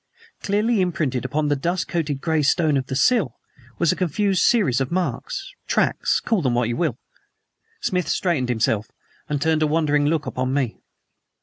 Clearly imprinted upon the dust coated gray stone of the sill was a confused series of marks tracks call them what you will. Smith straightened himself and turned a wondering look upon me.